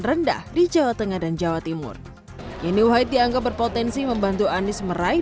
rendah di jawa tengah dan jawa timur yeni wahid dianggap berpotensi membantu anies meraih